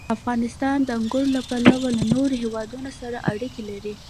افغانستان د انګور له پلوه له نورو هېوادونو سره اړیکې لري.